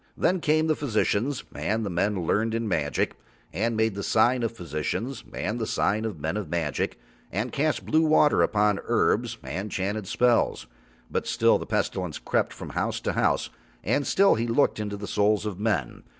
Then came the physicians and the men learned in magic, and made the sign of the physicians and the sign of the men of magic and cast blue water upon herbs and chanted spells; but still the Pestilence crept from house to house and still he looked into the souls of men.